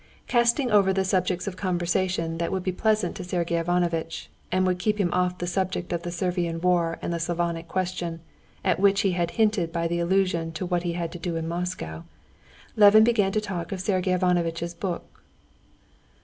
Casting over the subjects of conversation that would be pleasant to Sergey Ivanovitch, and would keep him off the subject of the Servian war and the Slavonic question, at which he had hinted by the allusion to what he had to do in Moscow, Levin began to talk of Sergey Ivanovitch's book.